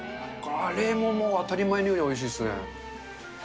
カレーももう当たり前のようにおいしいですね。